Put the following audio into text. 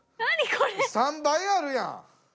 ３杯あるやん！